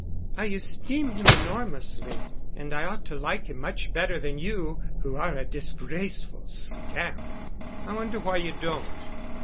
I esteem him enormously, and I ought to like him much better than you, who are a disgraceful scamp." "I wonder why you don't."